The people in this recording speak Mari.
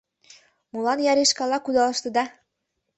Молан яришкала кудалыштыда?